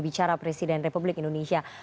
bicara presiden republik indonesia